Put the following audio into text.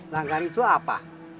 langgar itu apa